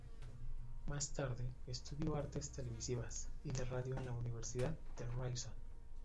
Más tarde estudió artes televisivas y de radio en la Universidad de Ryerson.